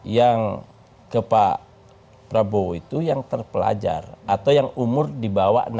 yang ke pak prabowo itu yang terpelajar atau yang umur di bawah enam puluh